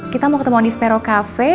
kita mau ketemuan di spero cafe